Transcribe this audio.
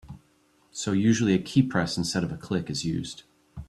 So usually a keypress instead of a click is used.